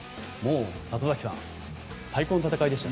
里崎さん、最高の戦いでした。